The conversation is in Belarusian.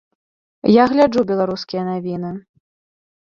Я гляджу беларускія навіны.